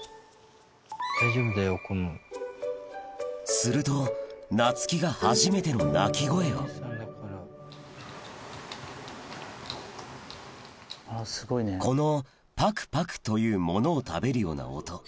するとなつきが初めての鳴き声をこのぱくぱくというものを食べるような音